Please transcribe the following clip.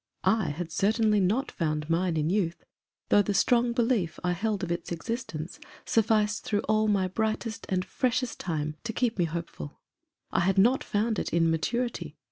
I had certainly not found mine in youth, though the strong belief I held of its existence sufficed through all my brightest and freshest time to keep me hopeful. I had not found it in maturity.